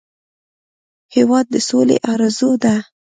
هېواد د سولې ارزو ده.